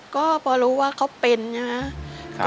ก็พอรู้ว่าเขาเป็นนะครับ